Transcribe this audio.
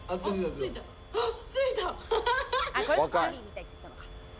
ついた！